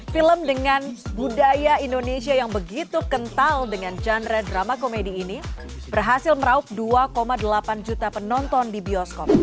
film dengan budaya indonesia yang begitu kental dengan genre drama komedi ini berhasil meraup dua delapan juta penonton di bioskop